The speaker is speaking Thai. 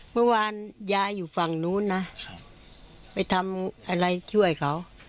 เมื่อวานยายอยู่ฝั่งนู้นนะไปทำอะไรช่วยเขา